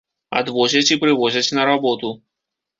Адвозяць і прывозяць на работу.